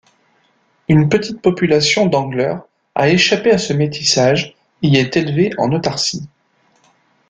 Une petite population d'angler a échappé à ce métissage et est élevée en autarcie.